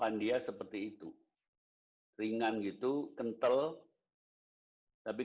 jangan lupa subscribe channel kami